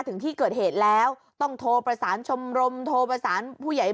ถึงที่เกิดเหตุแล้วต้องโทรประสานชมรมโทรประสานผู้ใหญ่